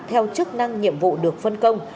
theo chức năng nhiệm vụ được phân công